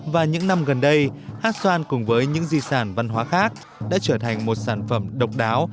và những năm gần đây hát xoan cùng với những di sản văn hóa khác đã trở thành một sản phẩm độc đáo